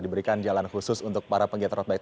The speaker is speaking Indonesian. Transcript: diberikan jalan khusus untuk para penggiat road bike